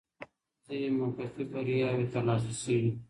ځيني موقتي بریاوي ترلاسه سوې